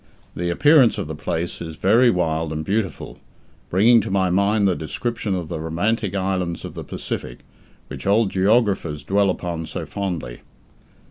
The appearance of the place is very wild and beautiful, bringing to my mind the description of the romantic islands of the Pacific, which old geographers dwell upon so fondly.